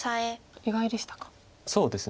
意外でしたか。